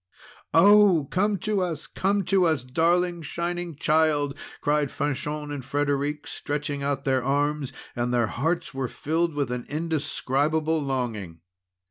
"Oh! come to us! Come to us! darling Shining Child!" cried Fanchon and Frederic, stretching out their arms; and their hearts were filled with an indescribable longing.